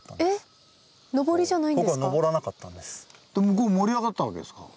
向こう盛り上がったわけですか？